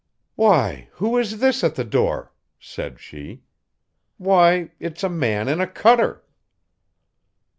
'Why! who is this at the door?' said she. 'Why! It's a man in a cutter.'